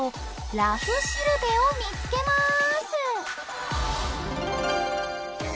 「らふしるべ」を見つけます！